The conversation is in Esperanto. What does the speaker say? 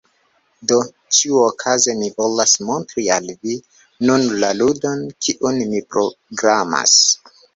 Do ĉiuokaze mi volas montri al vi nun la ludon, kiun mi programas.